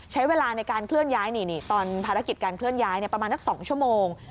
ใช้เวลาในการเคลื่อนย้ายตอนภารกิจการเคลื่อนย้ายประมาณนัก๒ชั่วโมง